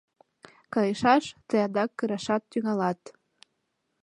Кайышаш, тый адак кырашат тӱҥалат.